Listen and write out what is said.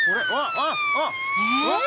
あっ！